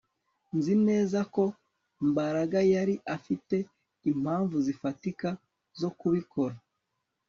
Nzi neza ko Mbaraga yari afite impamvu zifatika zo kubikora